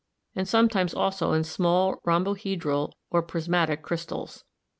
and sometimes also in small rhombohedral or prismatic crystals.